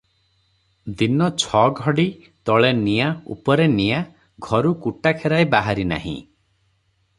ଦିନ ଛ ଘଡ଼ି, ତଳେ ନିଆଁ, ଉପରେ ନିଆଁ, ଘରୁ କୁଟାକେରାଏ ବାହାରି ନାହିଁ ।